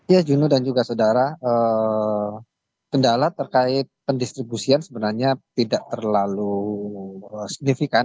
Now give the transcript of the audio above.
ya juno dan juga saudara kendala terkait pendistribusian sebenarnya tidak terlalu signifikan